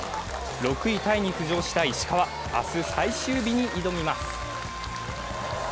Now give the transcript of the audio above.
６位タイに浮上した石川、明日最終日に挑みます。